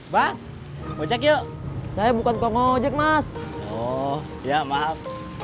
bang ojek yuk saya bukan komojek mas oh ya maaf